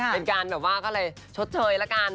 เป็นการแบบว่าก็เลยชดเชยละกัน